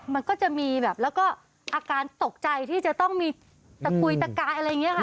มันก็จะมีแบบแล้วก็อาการตกใจที่จะต้องมีตะกุยตะกายอะไรอย่างนี้ค่ะ